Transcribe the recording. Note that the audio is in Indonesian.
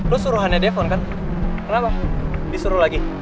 lu suruhannya defon kan kenapa disuruh lagi